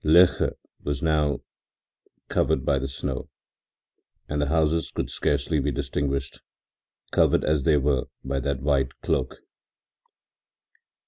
Loeche was now also covered by the snow and the houses could scarcely be distinguished, covered as they were by that white cloak.